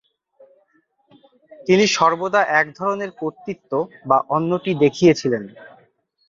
তিনি সর্বদা এক ধরনের কর্তৃত্ব বা অন্যটি "দেখিয়েছিলেন"।